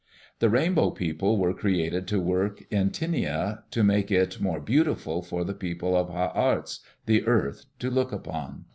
The Rainbow People were created to work in Tinia to make it more beautiful for the people of Ha arts, the earth, to look upon.